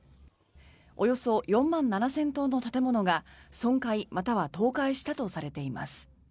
およそ４万７０００棟の建物が損壊または倒壊したとされています。